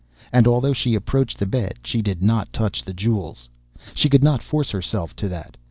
And, although she approached the bed she did not touch the jewels. She could not force herself to that.